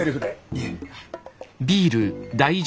いえ。